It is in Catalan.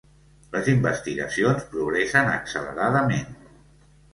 Les investigacions progressen acceleradament.